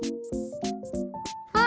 あっ！